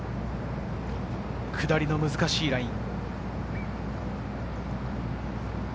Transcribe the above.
下りの難しいライン。